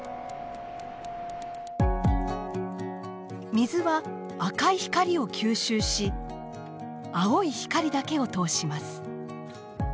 水は赤い光を吸収し青い光だけを通します。